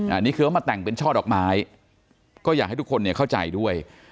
อันนี้คือเขามาแต่งเป็นช่อดอกไม้ก็อยากให้ทุกคนเนี่ยเข้าใจด้วย